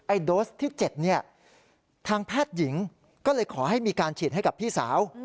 โดสที่๗เนี่ยทางแพทย์หญิงก็เลยขอให้มีการฉีดให้กับพี่สาว